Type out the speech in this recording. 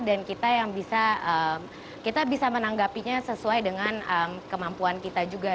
dan kita yang bisa kita bisa menanggapinya sesuai dengan kemampuan kita juga